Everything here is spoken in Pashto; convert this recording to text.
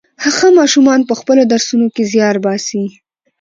ښه ماشومان په خپلو درسونو کې زيار باسي.